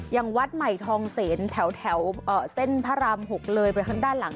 อย่างวัดใหม่ทองเสนแถวเส้นพระราม๖เลยไปข้างด้านหลัง